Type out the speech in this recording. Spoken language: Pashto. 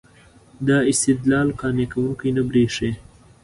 دا استدلال قانع کوونکی نه برېښي.